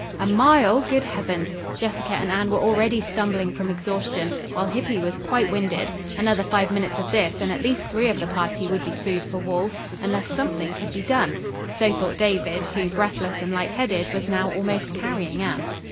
A mile? Good heavens! Jessica and Anne were already stumbling from exhaustion, while Hippy was quite winded. Another five minutes of this and at least three of the party would be food for wolves, unless something could be done. So thought David, who, breathless and light headed, was now almost carrying Anne.